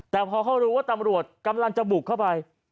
แต่พอเขารู้ว่าตำรวจกำลังจะบุกเข้าไป